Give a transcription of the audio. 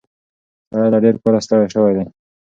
سړی له ډېر کاره ستړی شوی دی.